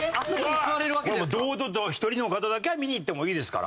これは堂々と一人の方だけは見に行ってもいいですから。